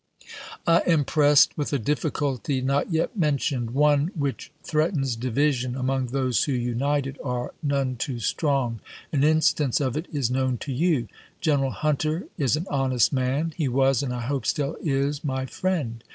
I am pressed with a difficulty not yet mentioned — one which threatens division among those who, united, are none too strong. An instance of it is known to you. General Hunter is an honest man. He was, and I hope stiU is, my friend.